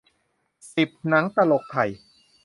สิบ หนังตลกไทย